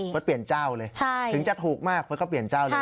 เปลี่ยนเจ้าเลยถึงจะถูกมากมันก็เปลี่ยนเจ้าเลย